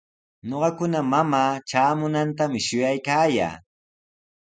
Ñuqakuna mamaa traamunantami shuyaykaayaa.